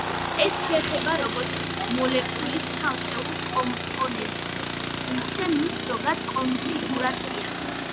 ეს შეეხება, როგორც მოლეკულის ცალკეულ კომპონენტს, ისე მის ზოგად კონფიგურაციას.